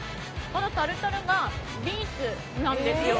このタルタルがビーツなんですよ。